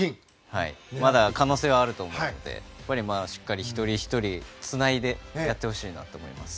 まだ可能性はあると思うのでしっかり一人ひとりつないでやってほしいなと思います。